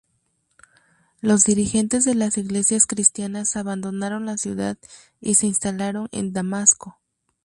Los dirigentes de las iglesias cristianas abandonaron la ciudad y se instalaron en Damasco.